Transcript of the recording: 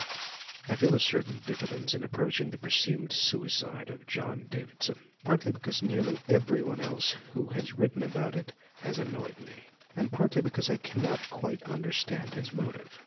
I feel a certain diffidence in approaching the presumed suicide of John Davidson, partly because nearly every one else who has written about it has annoyed me, and partly because I cannot quite understand his motive.